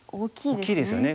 大きいですよね。